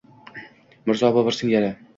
Mirzo Bobur singari.